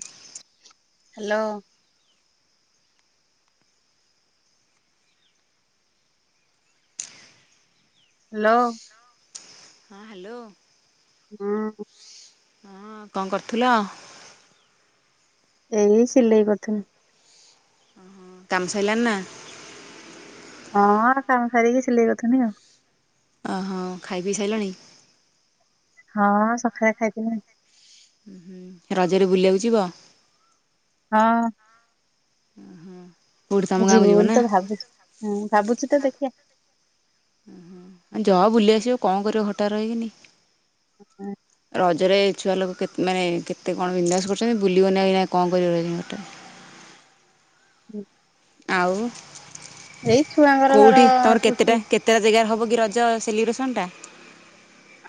[inaudible] ହାଲୋ-ଓ ହାଲୋ-ଓ ହଁ ହାଲୋ-ଓ ହୁଁ ହଁ କଅ କରୁଥିଲ? ଏଇ ସିଲେଇ କରୁଥିନି। ଓହୋ କାମ ସଇଲାନି ନା [inaudible] ହଁ କାମ ସାରିକି ସିଲେଇ କରୁଥିନି ଆଉ। ଓ ହ ଖାଇ ପିଇ ସାଇଲଣି? ହଁ ସଖାଳେ ଖାଇଥିନି। [inaudible] ଉହୁଁ ରଜରେ ବୁଲିଆକୁ ଯିବ? ଆଁ କୋଉଠି ତମ ଗାଁକୁ ଯିମି ଯିବ ବୋଲି ନା? ତ ଭାବୁଚି ହଁ ଭାବୁଚି ତ ଦେଖିଆ ଉହୁଁ ଆ ଯଅ ବୁଲି ଆସିବ କଅ କରିବ ଘର ଟାରେ ରଇକିନି? [inaudible] [unintelligible] ରଜରେ ଛୁଆ ଲୋକ ମାନେ କେତେ କଣ ବିନଦାସ କରୁଚନ୍ତି ବୁଲିବନି ଆଉ ଏଇନା କଅ କରିବ ରାଇକିନା ଘର ଟାରେ? [inaudible] ହୁଁ ଆଉ? ଏଇ ଛୁଆଙ୍କର କୋଉଠି ତମର ଧର-ଅ କେତେଟା ଛୁଟି। କେତେଟା ଜାଗାରେ ହବ ରଜ ସେଲିବ୍ରେସନ ଟା। [inaudible]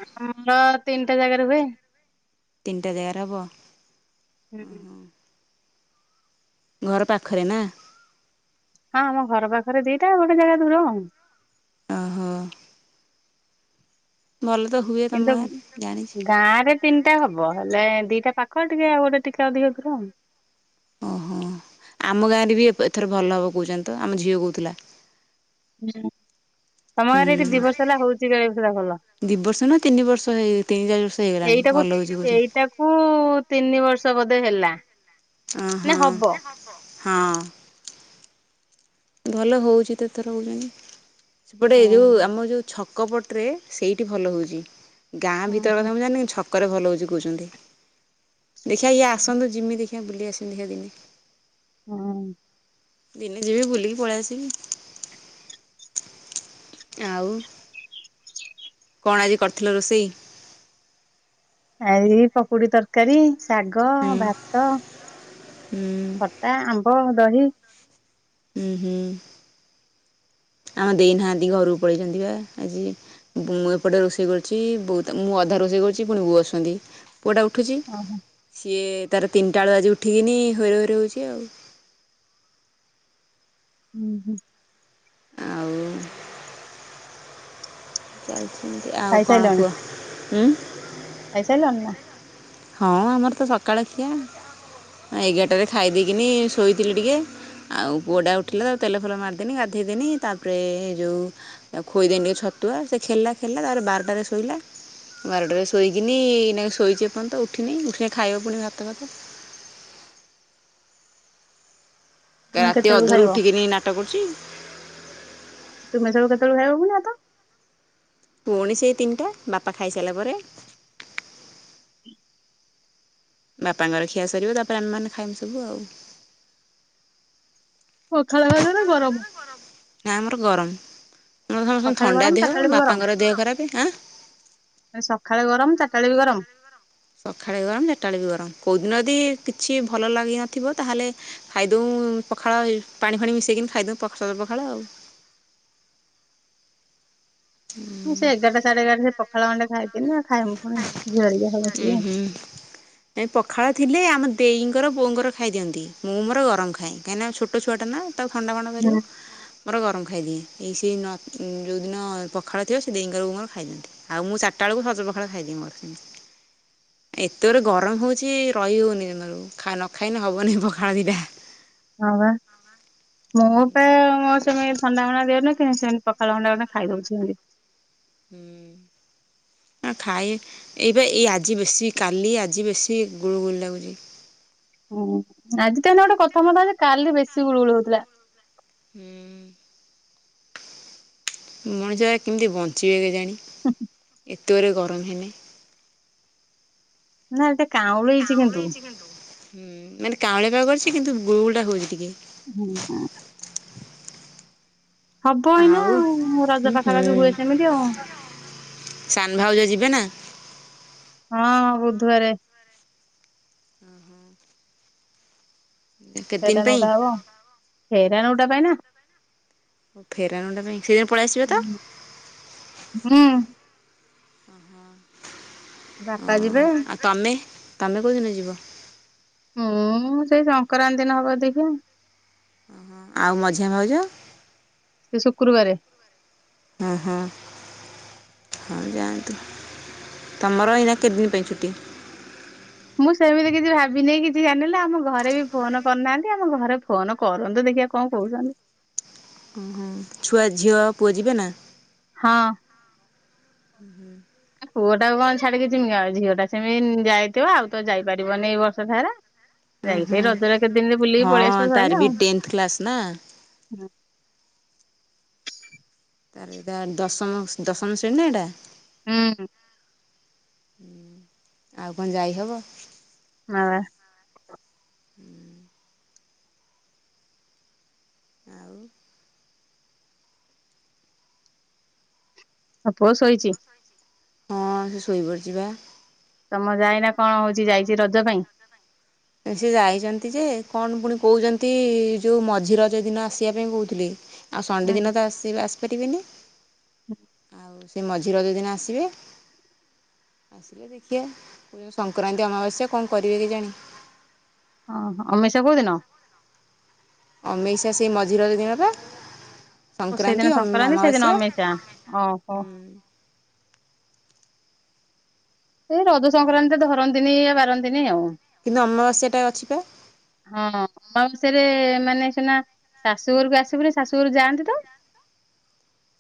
[inaudible] ଆମର ତିନଟା ଜାଗାରେ ହୁଏ। ତିନଟା ଜାଗାରେ ହବ? ହୁଁ [inaudible] ଆଁ ହଁ ଘର ପାଖରେ ନା? [inaudible] ହଁ ଆମ ଘର ପାଖରେ ଦିଟା ଗୋଟେ ଜାଗା ଦୂର ଆଉ। ଓହୋ। ଭଲ ତ ହୁଏ ତମ ଗାଁରେ ଜାଣିଚି। ଟା ହବ, ହେଲେ-ଏ-ଏ ଦିଟା ପାଖ ଟିକେ ଆଉ ଗୋଟେ ଟିକେ ଅଧିକ ଦୂର ଆଉ। ଓହୋ। ଆମ ଗାଁରେ ବି ଏ ଏଥର ଭଲ ହବ କହୁଛନ୍ତି ତ। ଆମ ଝିଅ କହୁ ଥିଲା। ତମ ଗାଁରେ ଏଠି ଦିବର୍ଷ ହେଲା ହୋଉଛି କାଳେ ପୂଜା ଭଲ? ଦି ବର୍ଷ ନା ତିନି ବର୍ଷ ହେଇ ତିନି ଚାରି ବର୍ଷ ହେଇଗଲାଣି ଏଇଟାକୁ ଭଲ ହଉଛି କହୁଛନ୍ତି। ଏଇଟାକୁ-ଉ-ଉ-ଉ ତିନି ବର୍ଷ ବୋଧେ ଧେ ହେଲା ଅ ନା ହଁ, ହବ ହଁ। ଭଲ ହୋଉଚି ତ ଏଥର କୋଉଚନ୍ତି। ସେପଟେ ଯୋଉ ହଁ ଆମ ଯୋଉ ଛ କବଟରେ, ସେଇଟି ଭଲ ହୋଉଚି। ଗାଁ ହଁ ଭିତର ହଁ କଥା ମୁଁ ଜାଣିନେଇଁ କିନ୍ତୁ ଛ ଛକରେ ଭଲ ହୋଉଚି କୋଉଚନ୍ତି। ଦେଖିଆ ଇଏ ଆସନ୍ତୁ ଜିମି ଦେଖି ବୁଲି ଆସିମି ଦେଖିଆ ଦିନେ ହଁଅ। ଦିନେ ଯିବି ବୁଲିକି ପଳେଇ ଆସିବି। ଆଉ କଣ ଆଜି କରିଥିଲ ରୋଷେଇ? ଆଜି ପକୁୋଡି ତରକାରୀ ଶାଗ, ହୁଁ ଭାତ, ହୁଁ ଖଟା, ଆମ୍ବ ଦହି। ହୁଁ ହୁଁ ଆମ ଦେଇନାହାନ୍ତି ଘରକୁ ପଳେଇଛନ୍ତି ବା ଆଜି ମୁଁ ଏପଟେ ରୋଷେଇ କରୁଛି, ମୁଁ ଅଧା ରୋଷେଇ କରୁଛି ପୁଣି ବୋଉ ଆସୁଛନ୍ତି। ପୁଅଟା ଉଠୁଛି ଓହୋ ସିଏ-ଏ-ଏ-ଏ ତାର ତିନିଟା ବେଳୁ ବାଜି ଉଠିକିନି ହୁରୁ ହୁରୁ ହଉଛି ଆଉ। ହୁଁ ହୁଁ। ଆଉ ଚାଲ ଏମିତି, ଆଉ କଣ କୁହ? ଉଁ। ଖାଇସରିଲନି ନା? ହଁ ଆମର ତ ସକାଳ ଖିଆ ଏଗାରଟାରେ ଖାଇ ଦେଇେଇକିନି ଶୋଇଥିଲି ଟିକେ। ଆଉ ପୁଅଡ଼ା ଉଠିଲା ତା ତେଲ ଫେଲ ମାରିଦେନି ଗାଧେଇଦେନି ତାପରେ-ଏ-ଏ ଯେଉଁ ଖୋଇଦେନି ଟିକେ ଛତୁଆ ସେ ଖେଲା ଖେିଲଲା ତାପରେ ବାରଟାରେ ଶୋଇଲା ବାରଟାରେ ଶୋଇକିନି-ଇ-ଇ ଏଇନାଗେ ଶୋଇଛି ଏପର୍ଯ୍ୟନ୍ତ ଉଠିନି ଉଠିଲେ ଖାଇବ ପୁଣି ଭାତ ଭାତ। ପୁଣି ରାତି କେତେବେଳକୁ ଅଧରୁ ଖାଇବ ଉଠିକିନି ନାଟ କରୁଛି। ତୁମେ ସବୁ କେତେବେଳକୁ ଖାଇବ ପୁଣି ଭାତ? ପୁଣି ସେଇ ତିନିଟା, ବାପା ଖାଇସାରିଲା ପରେ। ବାପାଙ୍କର ଖିଆ ସରିବ ତାପରେ ଆମେମାନେ ଖାଇମୁ ସବୁ ଆଉ। ପଖଳ ଭାତ ରେ ଗରମ ନା ଆମର ଗରମ ଆଉ ସମସ୍ତ ସକାଳେ ଥଣ୍ଡା ଗରମ ଦେହ। ଚାରିଟା ବେଳେ ବି ଗରମ ବାପାଙ୍କର ଦେହ ଖରାପ ଆଁ ମାନେ ସକାଳେ ଗରମ ଚାରିଟା ବେଳେ ବି ଗରମ ସକାଳେ ଗରମ ଚାରିଟାବେଳେ ବି ଗରମ। କୋଉଦିନ ଯଦି-ଇ-ଇ କିଛି ଭଲ ଲାଗିନଥିବ ତାହେଲେ ଖାଇଦଉ-ଉ-ଉ ପଖାଳ ପାଣି ଫାଣି ମିଶେଇକିନି ଖାଇଦଉ ପଖ୍ ସଜ ପଖାଳ ଆଉ। ସେ ଏଗାରଟା ସାଢେ ଏଗାରଟା ସେ ପଖାଳ ଖଣ୍ଡେ ଖଥିଲି ଆଉ। ଖାଇମ ପୁଣି ଜଆରଆ ହବ। ଉଁ ହୁଁ। ପଖାଳ ଥିଲେ ଏ ଆମ ଦେଇଈଙ୍କର ବୋଉଙ୍କର ଖାଇ ଦିଅନ୍ତି ମୁଁ ମୋର ଗରମ ଖାଏ କାହିଁକିନା ଛୋଟ ଛୁଆଟା ନା। ତାକୁ ଥଣ୍ଡା ଫଣ୍ଡ କରିବ ହଁ ମୋର ଗରମ ଖାଇଦିଏ ଏଇ ସେ ଯେଉଁଦିନ ପଖାଳ ଥିବ ସେ ଦେଇଙ୍କର ବୋଉଙ୍କର ଖାଇଦନ୍ତି ଆଉ ମୁ ଚାରିଟା ବେଳକୁ ସଜ, ପଖାଳ ଖାଇଦି ଏତେ ଗୋଡ ଗରମ ହଉଛି ରହି ହଉନି ତମର ନ ଖାଇନ ହବନି ପଖାଳ ବିଟା। ହଁ ବା ମୋ ପାଇଁ ତମେ ଥଣ୍ଡା ଭଣ୍ଡା ଦଉନ କେ ସେତି ପଖାଳ ଭଣ୍ଡା ଗେ ଖାଇ ଦଉଛନ୍ତି। ହଁ ଖାଇ ଏଇବେ ଏ ଆଜି ବେଶୀ କାଲି ଆଜି ବେଶୀ ଗୁଳୁ ଗୁଳି ଲାଗୁଛି। ହୁଁ ଆଜି ତ ଏେ ଗୋଟେ କଥା ମତା କାଲି ବେଶୀ ଗୁଳୁ ଗୁଳ ହଉଥିଲା। ହୁଁ ମଣିଷ କେମିତି ବଞ୍ଚିବେ କେଜାଣି। ଏତଗୁଡ଼ିଏ ଗର [unintelligible] ନାରେ କାଉଁଳ ହେଇଛି କିନ୍ତୁ ହୁଁ ମାନେ କାଉଁଳି ପା କରିଛି କିନ୍ତୁ ବୁଗୁ୍ଡା କରିକି ହୁଁ ହୁ ହବ ଏଇନା ଆଉ ରଜ ହୁଁ ପାଖାପାଖି ହୁଁ ହୁଏ ସେମିତି ଆଉ। ସାନ ଭାଉଜ ଯିବେ ନା ହଁ ବୁଧବାରେ କେତେ ଦିନ ସେଟା ପାଇଁ ନଟା ହବ ହେ ସେ ନୋଟ ଟା ପାଇନ ଓ ଫେରାଣ୍ଡ ପାଇଁ ସେଦିନ ପଳେଇ ଆସିବା ତ। ହୁଁ ହଁ ବାପା ଯିବେ। ଆଉ ତମେ ତମେ କଉ ଦିନେ ଯିବ? ହୁଁ ସେଇ ସଂକ୍ରାନ୍ତିି ଦିନ ହବ ଦେଖିଆ ହଁ ଆଉ ମଝିଆ ଭାଉଜ ସେ ଶୁକ୍ରବାର ହଁ ହଁ ହଉ ଯାଆନ୍ତୁ। ତମର ଏଇନା କେତେ ଦିନ ପାଇଁଛଟି [unintelligible] ମୁଁ ସେମିତି କିଛି ଭାବିନି କିଛି ଜାଣିଲେ ଆମ ଘରେ ବି ଫୋନ କରିନାହାନ୍ତି ଆମ ଘରେ ଫୋନ କରନ୍ତୁ ଦେଖିବା କଣ କହୁଛନ୍ତି। ଓହୋ ଛୁଆ ଝିଅ ପୁଅ ଯିବେ ନା। ହଁ। [unintelligible] ପୁଅଟାକୁ କଣ ଛାଡିକି ଜିମି ଝିଅ ଟା ସେମିତି ଯାଇଥିବ ଆଉ ତ ଯାଇପାରିବନି ଏଇ ବର୍ଷ ସାରା ହୁଁ ଯାଇ ହୁଁ ସେଇ ରଜରେ କେତେ ଦିନରେ ବୁଲିକି ପଳେଇ ହଁ ଆସିବ ତାର ସରିଲା ବି ଆଉ। ଟେନ୍ଥ କ୍ଲାସ୍ ନା ତାର ଏ ଦଶମ ଦଶମ ଶ୍ରେଣୀ ନା ଏଟା ହୁଁ। ଆଉ କଣ ଯାଇହବ । ହଁ । [unintelligible] ଆଉ । ପୁଅ ଶୋଇଛି । ହଁ ସେ ଶୋଇପଡ଼ିଛିି ବା । ତମ ଯାଇନା କଣ ହଉଛି ଯାଇଛି ରଜ ପାଇଁ । ସେ ଯାଇଛନ୍ତି ଯେ କଣ ପୁଣି କହୁଛନ୍ତି ଯୋଉ ମଝି ରଜ ଦିନ ଆସିବା ପାଇଁ କହୁଥିଲେ । ଆଉ ସନଡେ ହୁଁ। ଦିନ ତ ଆସିବେ ଆସି ପାରିବେନି । ଆଉ ସ ସେ ମଝି ରଜ ଦିନ ଆସିବେ ଆସିଲେ ଦେଖିବା ସଂକ୍ରାନ୍ତି ଅମାବାସ୍ୟା କଣ କରିବେ କେ ଜାଣି । ଓ ଅମେଇସିଆ କୋଉଦିନ? ଅମେଇସି ଆ ସେଇ ମଝି ରଜ ଦିନ ପା । ଓ ସେଇଦିନ ସଂକ୍ରାନ୍ତି ସେଇଦିନ ଅମିଷା ଓହୋ । ହୁଁ କୋଉ ରଜ ସଂକ୍ରାନ୍ତିରେ ଧରନ୍ତିନୀ ୟା ବାର ନ୍ତୀନି । ନ୍ତିନୀ ଆଉ । କିନ୍ତୁ ଅମାବାସ୍ୟା ଟା ଅଛି ପା । ସେରେ ମାନେ ସିନା ଶାଶୁଘରକୁ ଆସିବୁନି ଶାଶୁଘରକୁ ଯାଆନ୍ତି ତ ।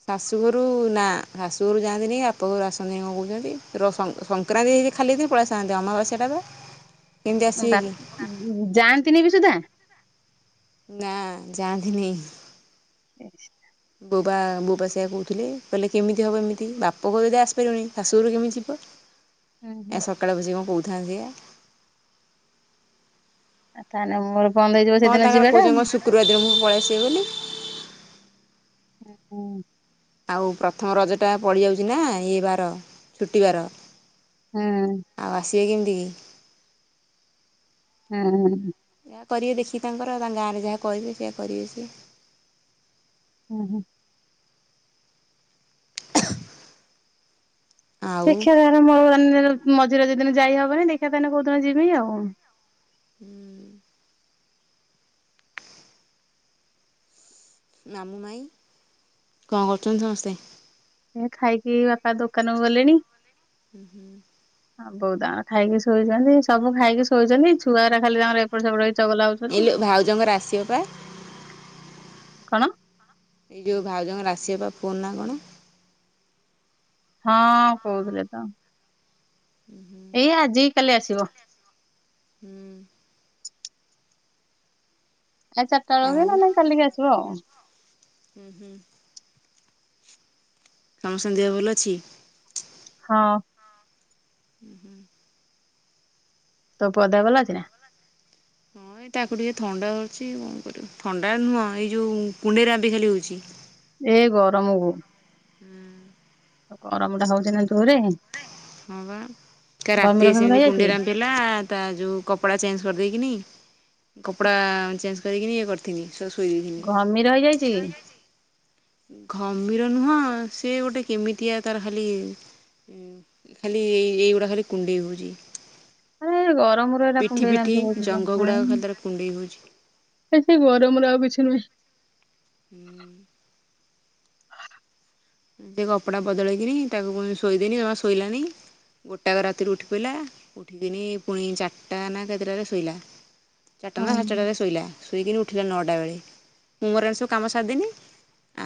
ଶାଶୁଘରୁ ନା ଶାଶୁଘରୁ ଯାଆନ୍ତିନି କି ବାପ ଘରୁ ଆସନ୍ତିନି କଣ କହୁଛନ୍ତି ର ସ ସଂକ୍ରାନ୍ତି ହେଇି ଖାଲି ପଳେଇଆସନ୍ତି ଅମାବାସ୍ୟାଟା ବା । ବାପ ଜାଆନ୍ତିନି ବି ସୁଧା । ନା ଯାଆନ୍ତିନି । [unintelligible] ବୋଉ ବା ବୋଉ ପା ସେଇଆ କହୁଥିଲେ କହିଲେ କେମିତି ହେବ ଏମିତି ବାପା ଘରୁ ଯଦି ଆସିପାରିବନି ଶାଶୁଘରକୁ କେମିତି ଯିବ ହୁଁ । ହୁଁ। ଏ ସକାଳେ ବସି କଣ କହୁ ଥାନ୍ତି ବା । ଆଉ ତା ହେଲେ ମୋ ବନ୍ଦ ହେଇଯିବ କଣ ସେଦିନ ତାଙ୍କର ଯିବାଟା କହୁଛନ୍ତି କଣ ଶୁକ୍ରବାର ଦିନ ମୁଁ ପଳେଇଆସିବେ ବୋଲି । ହୁଁ । ଆଉ ପ୍ରଥମ ରଜଟା ପଡ଼ିଯାଉଛି ନା ଏ ବାର ଛୁଟିବାର । ହୁଁ । ସିବେ କକେମିତି କି। ହୁଁ । ଯା କରିବେ ଦେଖିକି ତାଙ୍କର ତାଙ୍କ ଗାଁରେ ଯାହା କହିବେ ସେୟା କରିବେ ସିଏ । ହୁଁ ହୁଁ । ଆଉ ଦେଖିବା ଆରମ୍ଭ ହଉ [unintelligible] ମଝିରେ ଯୋଉ ଦିନ ଯାଇହବନି ଦେଖିବା ତାହେଲେ ଯୋଉଦିନ ଯିମି ଆଉ । ହୁଁ । ମାମୁଁମାଇଁ କଣ କରୁଛନ୍ତି ସମସ୍ତେ । ଖାଇକି ବାପା ଦୋକାନକୁ ଗଲେଣି । ହୁଁ ହୁଁ। ହଁ ବୋଉ ତାଙ୍କର ଖାଇକି ଶୋଇଛନ୍ତି, ସବୁ ଖାଇକି ଶୋଇଛନ୍ତି, ଛୁଆ ଗୁଡା ଖାଲି ତାଙ୍କର ଏପଟେ ସେପଟେ ହେଇ ଚଗଲା ହଉଛନ୍ତି। ଏଲୁ ଭାଉଜଙ୍କର ଆସିବ ପା। କଣ? ଏଇ ଜଉ ଭାଉଜଙ୍କର ଆସିବ ପା ଫୋନ ନା କଣ? ହଁ କହୁଥିଲେ ତ। ହୁଁ ହୁଁ ଏଇ ଆଜି କି କାଲି ଆସିବ। ହୁଁ। ଏ ଚାରିଟା ବେଳକୁ, ଆଉ ନହେଲେ କାଲିକି ଆସିବ ଆଉ। ହୁଁ ହୁଁ। ସମସ୍ତଙ୍କ ଦେହ ଭଲ ଅଛି? ହଁ। ହୁଁ ହୁଁ। ତୋ ପୁଅ ଦେହ ଭଲ ଅଛି ନା? ହଁ ଏଇ ତାକୁ ଟିକେ ଥଣ୍ଡା ଧରିଛି କଣ କରିବ, ଥଣ୍ଡା ନୁହଁ ଏଇ ଯୋଉ କୁଣ୍ଡେଇରାମ୍ପି ଖାଲି ହଉଛି। ଏ ଗରମକୁ। ହୁଁ। ଗରମ ଟା ହଉଛି ନା ଜୋର୍ ରେ। ହଁ ବା କ ରାତିରେ ସେମିତି ହେଇଯାଇଛି କୁଣ୍ଡେଇ କି? ରାମ୍ପି ହେ, ତା ଯୋଉ କପଡା ଚେଞ୍ଜ କରିଦେଇକିନି କପଡା ଚେଞ୍ଜ କରିକିନି ଇଏ କରିିଥିଲି। ଘମିର ହେଇଯାଇଛି। ଘମିର ନୁହଁ ସେ ଗୋଟେ କେମିତିଆ ତାର ଖାଲି ଖାଲି ଏଇ ଏଇଗୁଡ଼ା ଖାଲି କୁଣ୍ଡେଇ ହଉଛି। ଆରେ ଗରମ ରୁ ଏଇଟା କୁଣ୍ଡେଇ ରାମ୍ପି ହଉଥିବ, ଜଙ୍ଘ ଗୁଡ଼ାକ ଖାଲି ତାର କୁଣ୍ଡେଇ ହେଉଛି ଏ ସେଇ ଗରମରୁ ଆଉ କିଛି ନୁହେଁ। ହୁଁ। ସେ କପଡ଼ା ବଦଳେଇକିରି, ତାକୁ ପୁଣି ଶୋଇଦେନି, ଜମା ଶୋଇଲାନି ଗୋଟାକ ରାତିରୁ ଉଠି ପଇିଲା, ଉଠିକିନି ପୁଣି ଚାରିଟା ନା କେତେଟାରେ ଶୋଇଲା। ଚାଟା ହଁ ନା ସାଢେ ଚାଟା ରେ ଶୋଇଲା ଶୋଇକିନି ଉଠ ଉଠିଲା ନଅଟା ବେଳେ, ମୁଁ ମୋର ଏଣ ସବୁ କାମ ସାରଦିନି।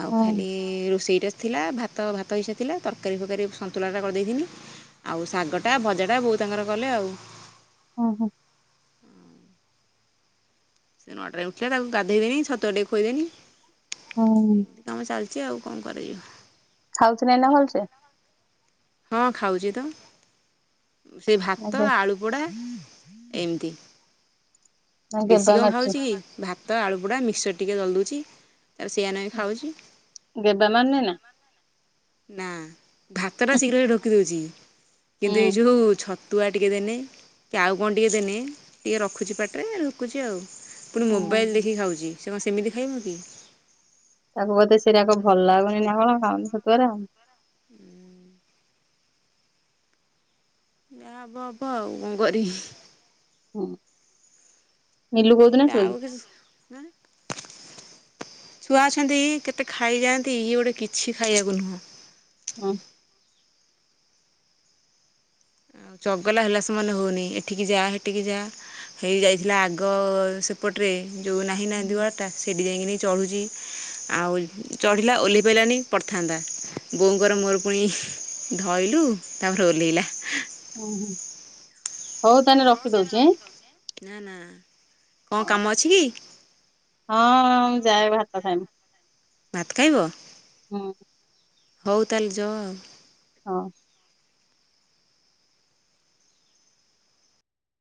ଆଉ ହଁ। ଖାଲି ରୋଷେଇ। ଥିଲା ଭାତ, ଭାତ ହିସା ଥିଲା ତରକାରୀ ଫରକାରୀ ସନ୍ତୁଳାଟା କରିଦେଇଥିନି, ଆଉ ଶାଗଟା ଭଜାଟା ବୋଉ ତାଙ୍କର କଲେ ଆଉ। ହ ହୋ। ସେ ନଅଟାରେ ଉଠିଲା, ତାକୁ ଗାଧେଇଦେନି ଛତୁଆ ଟିକେ ଖୋଇଦେନି। ହଁ। ଏମିତି କାମ ଚାଲିଛି ଆଉ କଣ କରିବି ମୁଁ? ଖାଉଛି ନାହିଁ ନା ଭଲସେ? ହଁ ଖାଉଛି ତ। ସେ ଭାତ ଏବେ ଆଳୁ ପୋଡା। ଏମିତି। ନା ବେଶୀ ଗେବା କଣ ମାରୁଛି। ଖାଉଛି କି, ଭାତ ଆଳୁ ପୋଡା ମିକ୍ସର ଟିକେ ଜଲଦୁଛି। ଗବେ ମାରୁ ନି ନା ନା ଭାତଟା ଶୀଘ୍ର ଢୋକି ଦେଉଛି। ହୁଁ କିନ୍ତୁ ଏଇ ଯୋଉ ଛତଆ ଛତୁଆ ଟିକେ ଦେଲେ କି ଆଉ କନ ଟିକେ ଦେନେ ଟିକେ ରଖିଛି ପାଟିରେ ଧୁକୁଚି ଆଉ। ପୁଣି ମୋବାଇଲ୍ ହଁ। ଦେଖିକି ଖାଉଛି। ସେମାନେ ସେମିତି ଖାଇବ କି ତାକୁ ବୋଧେ ସେଟାକ ଭଲ ଲାଗୁନି ନା କଣ ଖାଉନି ଛତୁଆ ଓରା ହୁଁ। ଯାହା ହବ ହବ ଆଉ କଣ କରି ହଁ। ଏ ତ ଆଉ କି ଛୁଆ ଅଛନ୍ତି କେତେ ଖାଇଯାଆନ୍ତି ଇଏ ଗୋଟେ କିଛି ଖାଇବାକୁ ନୁହଁ। ହଁ। ଆଉ ଚଗଲା ହେଲା ସେମାନେ ହଉନି ଏଠିକି ଯା ହେଠିକି ଯା ହେଇ ଯାଇଥିଲା ଆଗ ସେପଟରେ ଯୋଉ ନାହିଁ ନା ହୁଁ। ଦୁଆରଟା ସେ ଡିଜାଇକିନି ଚଢ଼ୁଛି ଆଉ ଚଢ଼ିଲା ଓହ୍ଲେଇ ପାରଲାନି ପଡ଼ିଥାନ୍ତା ବୋଉଙ୍କର ମୋର ପୁଣି ଧରଲୁ ତାପରେ ଓହ୍ଲେଇଲା। ଓ ହ ହଉ ତାେହାଲେ ରଖିଦଉଛିଁ। ନା ନା। କଣ କାମ ଅଛି କି? ହଁ, ମୁଁ ଯା ଭାତ ଖାଇମି। ଭାତ ଖାଇବ? ହୁମ୍। ହଉ ତାହେଲେ ଯଅ। ହଁ।